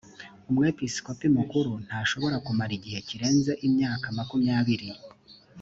umwepisikopi mukuru ntashobora kumara igihe kirenze imyaka makumyabiri